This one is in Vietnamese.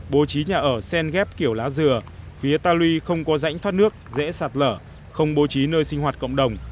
bố trí nhà ở sen ghép kiểu lá dừa phía ta lui không có rãnh thoát nước dễ sạt lở không bố trí nơi sinh hoạt cộng đồng